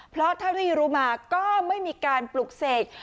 เพราะเท่าที่รู้มาก็ไม่มีการปลุกเสก